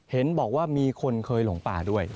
เห็นบอกว่ามีคนเคยหลงป่าด้วย